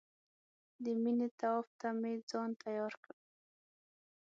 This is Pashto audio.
د مینې طواف ته مې ځان تیار کړ.